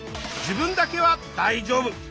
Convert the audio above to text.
「自分だけは大丈夫？」